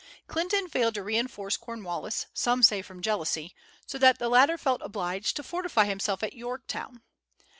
Clinton failed to reinforce Cornwallis, some say from jealousy, so that the latter felt obliged to fortify himself at Yorktown.